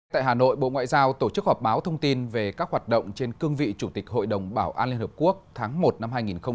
tại hà nội bộ ngoại giao tổ chức họp báo thông tin về các hoạt động trên cương vị chủ tịch hội đồng bảo an liên hợp quốc tháng một năm hai nghìn hai mươi